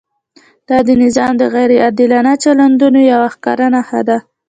دا د نظام د غیر عادلانه چلندونو یوه ښکاره نښه ده.